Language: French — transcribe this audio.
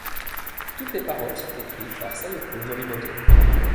Toutes les paroles sont écrites par Sayoko Morimoto.